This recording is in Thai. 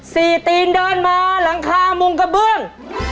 ตีตีนเดินมาหลังคามุงกระเบื้อง